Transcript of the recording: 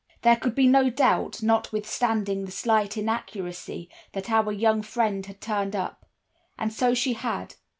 "There could be no doubt, notwithstanding the slight inaccuracy, that our young friend had turned up; and so she had.